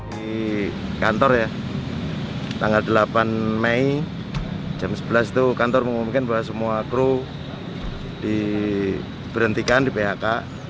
di kantor ya tanggal delapan mei jam sebelas itu kantor mengumumkan bahwa semua kru diberhentikan di phk